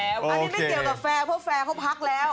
อันนี้ไม่เกี่ยวกับแฟร์เพราะแฟร์เขาพักแล้ว